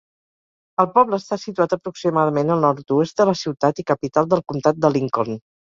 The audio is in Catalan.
El poble està situat aproximadament al nord-oest de la ciutat i capital del comtat de Lincoln.